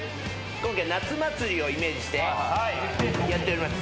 今回夏祭りをイメージしてやっております。